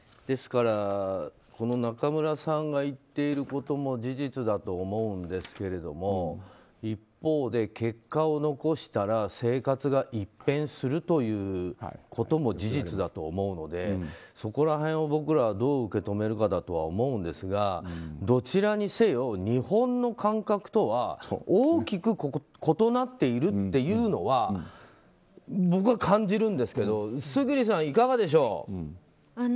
ですから、中村さんが言ってることも事実だと思うんですけど一方で、結果を残したら生活が一変するということも事実だと思うのでそこら辺を僕らはどう受け止めるかだとは思うんですがどちらにせよ、日本の感覚とは大きく異なっているというのは僕は感じるんですけど村主さん、いかがでしょう？